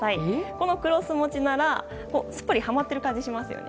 このクロス持ちならすっぽりはまっている感じがしますよね。